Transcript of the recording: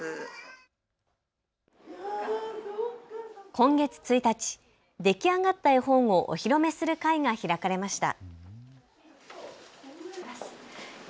今月１日、出来上がった絵本をお披露目する会が開かれました。